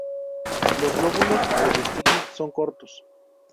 Los lóbulos del estigma son cortos.